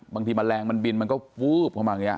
บางทีแมลงมันบินมันก็วึ๊บอย่างนี้